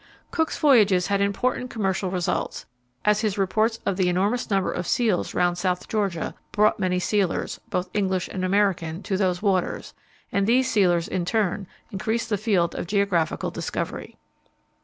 Cook's voyages had important commercial results, as his reports of the enormous number of seals round South Georgia brought many sealers, both English and American, to those waters, and these sealers, in turn, increased the field of geographical discovery.